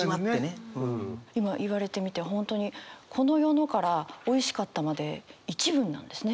今言われてみて本当に「この世の」から「おいしかった」まで一文なんですね。